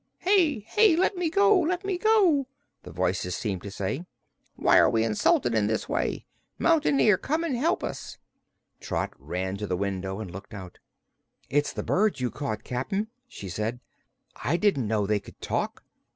"Here! Let me go let me go!" the voices seemed to say. "Why are we insulted in this way? Mountain Ear, come and help us!" Trot ran to the window and looked out. "It's the birds you caught, Cap'n," she said. "I didn't know they could talk."